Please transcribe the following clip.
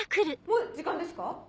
もう時間ですか？